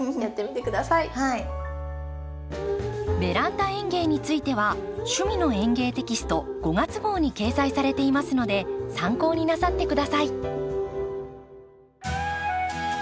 「ベランダ園芸」については「趣味の園芸」テキスト５月号に掲載されていますので参考になさって下さい。